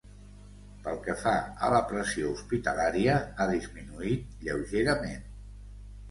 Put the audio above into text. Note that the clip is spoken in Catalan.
Pel que fa a la pressió hospitalària, ha disminuït lleugerament.